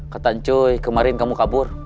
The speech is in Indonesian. katanya cuy kemarin kamu kabur